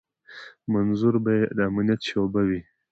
منظور به يې د امنيت شعبه وه.